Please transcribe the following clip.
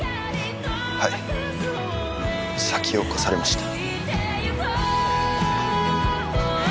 はい先を越されました